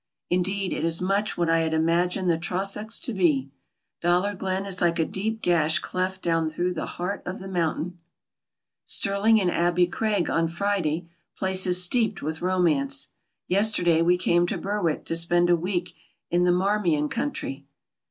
Indeed, it is much what I had imagined the Trossachs to be. Dollar Glen is like a deep gash cleft down through the hean of the mountain. Stirling and Abbey Craig on Friday, places steeped with romance. Yesterday we came to Berwick to spend a week in the Marmion country. Mr.